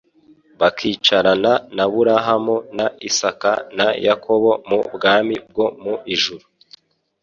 bakicarana na Aburahamu na Isaka na Yakobo mu bwami bwo mu ijuru,